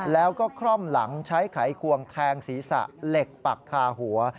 แล้วก็คร่อมหลังใช้ไขควงแทงศีรษะเหล็กปักคาหัว